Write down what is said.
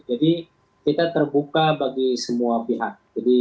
jadi kita terbuka bagi semua pihak